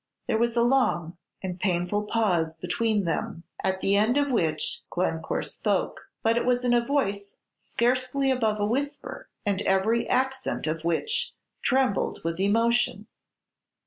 There was a long and painful pause between them, at the end of which Glencore spoke, but it was in a voice scarcely above a whisper, and every accent of which trembled with emotion.